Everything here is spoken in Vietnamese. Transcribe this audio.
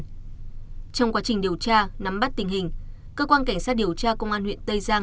trong quá trình điều tra nắm bắt tình hình cơ quan cảnh sát điều tra công an huyện tây giang